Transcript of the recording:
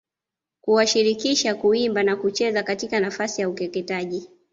kuwashirikisha kuimba na kucheza katika nafasi ya ukeketaji